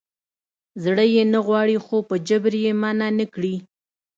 زړه یې نه غواړي خو په جبر یې منع نه کړي.